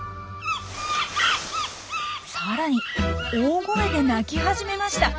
さらに大声で鳴き始めました。